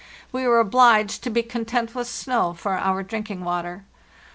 We were obliged to be content with snow for our drinking water.